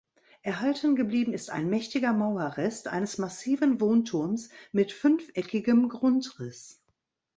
Erhalten geblieben ist ein mächtiger Mauerrest eines massiven Wohnturms mit fünfeckigem Grundriss.